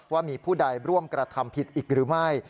ว่ามีผู้ใดร่วมกระทำผิดอีกหรือไม่